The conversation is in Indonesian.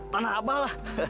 tanah abah lah